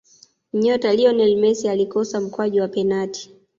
nyota lionel messi alikosa mkwaju wa penati